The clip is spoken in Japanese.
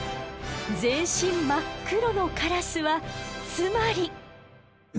全身真っ黒のカラスはつまり。